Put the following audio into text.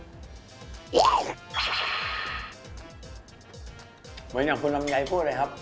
เหมือนอย่างคุณลำไยพูดเลยครับ